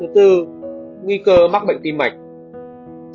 thứ bốn nguy cơ mắc bệnh tim mạch